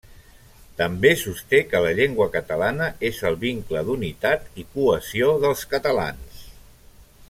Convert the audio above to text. També sosté que la llengua catalana és el vincle d'unitat i cohesió dels catalans.